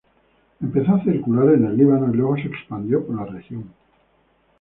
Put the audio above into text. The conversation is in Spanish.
Empezó a circular en el Líbano y luego se expandió por la región.